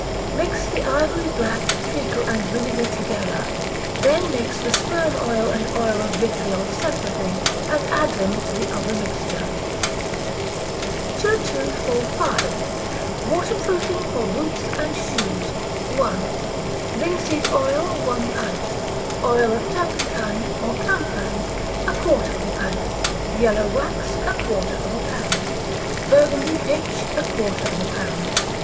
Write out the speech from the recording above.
Mix the ivory black, treacle, and vinegar together, then mix the sperm oil and oil of vitriol separately, and add them to the other mixture. 2245. Waterproofing for Boots and Shoes (1). Linseed oil, one pint; oil of turpentine, or camphine, a quarter of a pint; yellow wax, a quarter of a pound; Burgundy pitch, a quarter of a pound.